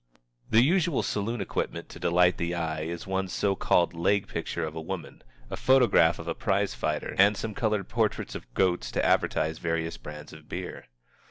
The usual saloon equipment to delight the eye is one so called "leg" picture of a woman, a photograph of a prize fighter, and some colored portraits of goats to advertise various brands of beer.